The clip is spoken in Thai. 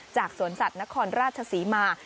จากสวนสัตว์นครราชสีมา